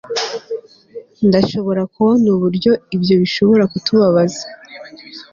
ndashobora kubona uburyo ibyo bishobora kutubabaza